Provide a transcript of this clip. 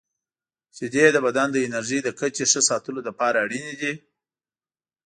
• شیدې د بدن د انرژۍ د کچې ښه ساتلو لپاره اړینې دي.